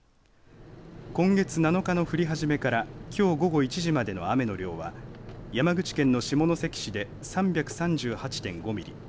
今月７日の降り始めからきょう午後１時までの雨の量は山口県の下関市で３３８．５ミリ